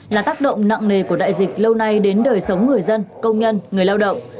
là tác động nặng nề của đại dịch lâu nay đến đời sống người dân công nhân người lao động